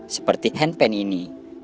seperti handpan ini